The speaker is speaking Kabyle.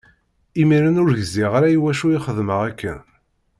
Imiren ur gziɣ ara i wacu i xeddmeɣ akken.